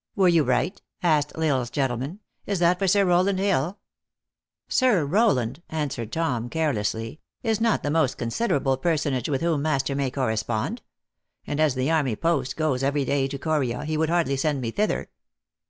" Were you right?" asked L Isle s gentleman. " Is that for Sir Eowland Hill ?"" Sir Rowland," answered Tom, carelessly, " is not the most considerable personage with whom master may correspond. And as the army post goes every day to Coma, he would hardly send me thither."